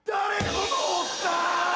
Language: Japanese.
このおっさん！